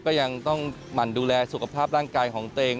ก็ยังต้องหมั่นดูแลสุขภาพร่างกายของตัวเอง